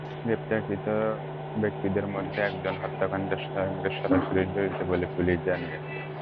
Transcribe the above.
গ্রেপ্তারকৃত ব্যক্তিদের মধ্যে একজন হত্যাকাণ্ডের সঙ্গে সরাসরি জড়িত বলে পুলিশ জানিয়েছে।